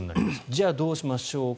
じゃあどうしましょうか。